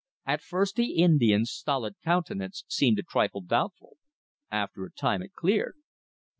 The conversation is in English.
At first the Indian's stolid countenance seemed a trifle doubtful. After a time it cleared.